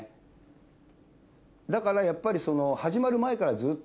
だからやっぱりその。